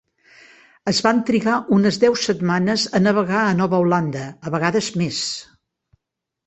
Es van trigar unes deu setmanes a navegar a Nova Holanda, a vegades més.